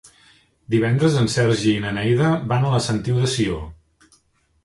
Divendres en Sergi i na Neida van a la Sentiu de Sió.